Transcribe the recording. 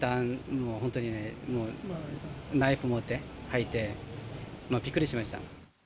もう本当にね、ナイフを持って入って、びっくりしました。